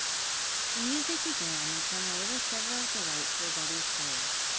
The music began, and sent a little shiver of delight through Betty's soul.